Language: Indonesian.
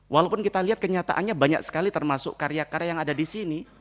walaupun kita lihat kenyataannya banyak sekali termasuk karya karya yang ada di sini